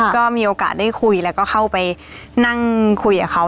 ก็มีโอกาสได้คุยแล้วก็เข้าไปนั่งคุยกับเขา